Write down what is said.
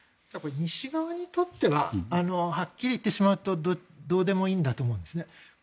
西側にとってははっきり言ってしまうとどうでもいいんだと思うんですね。